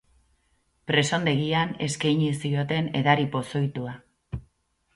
Presondegian eskaini zioten edari pozoitua.